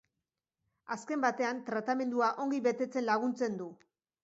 Azken batean, tratamendua ongi betetzen laguntzen du.